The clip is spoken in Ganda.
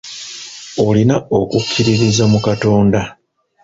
Olina okukkiririza mu Katonda.